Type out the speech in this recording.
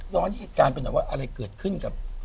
น้อยการเป็นอะไรเกิดขึ้นกับ